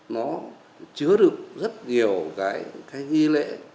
nó chứa được rất nhiều cái nghi lễ